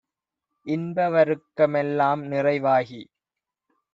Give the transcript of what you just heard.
இன்ப வருக்கமெல் லாம்நிறை வாகி